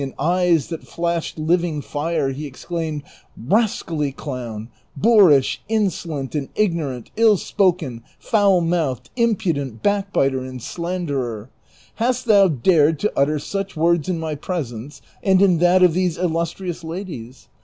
395 and eyes that flashed living fire, he exclaimed, " Rascally clown, boorish, insolent, and ignorant, ill spoken, foul mouth eel, impudent backbiter and slanderer ! Hast thou dared to utter such words in my presence and in that of these illustrious ladies